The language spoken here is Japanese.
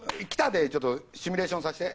でシミュレーションさせて。